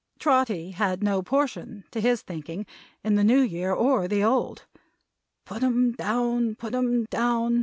Trotty had no portion, to his thinking, in the New Year or the Old. "Put 'em down. Put 'em down!